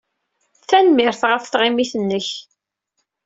Tanemmirt ɣef tɣimit-nnek.